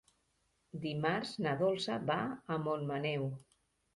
Dimarts na Dolça va a Montmaneu.